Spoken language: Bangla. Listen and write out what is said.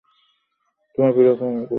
তোমার প্রিয় খাবারগুলো বানিয়েছি।